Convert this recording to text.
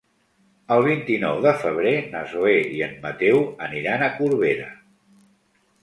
El vint-i-nou de febrer na Zoè i en Mateu aniran a Corbera.